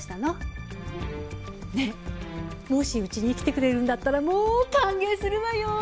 ねえもしうちに来てくれるんだったらもう歓迎するわよ！